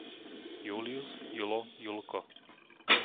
Július, Julo, Julko